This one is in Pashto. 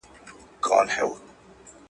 خر د هري ورځي بار ته په کاریږي !.